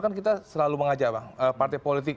kan kita selalu mengajak bang partai politik